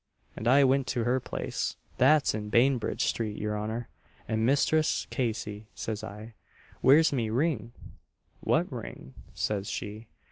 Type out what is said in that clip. and I went to her place that's in Bainbridge street, your honour; 'and Misthress Casey,' says I, 'where's me ring?' 'What ring?' says she.